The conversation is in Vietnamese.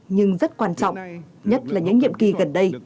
nhưng rất quan trọng nhất là những nhiệm kỳ gần đây